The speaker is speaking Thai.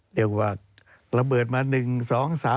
เรียกว่าระเบิดมา๑๒๓